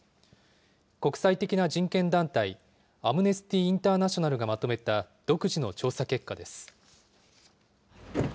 国際的な人権団体、アムネスティ・インターナショナルがまとめた独自の調査結果です。